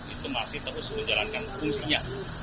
itu masih terus menjalankan fungsinya